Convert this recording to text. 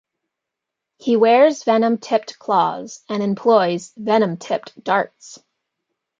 He wears venom-tipped claws and employs venom-tipped darts.